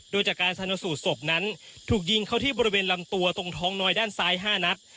โดยจากการชนสูตรศพนั้นถูกยิงเข้าที่บริเวณลำตัวตรงท้องน้อยด้านซ้าย๕นัด